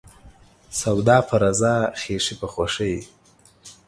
سوداپه رضا ، خيښي په خوښي.